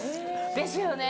ですよね。